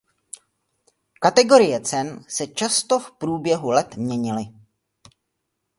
Kategorie cen se často v průběhu let měnili.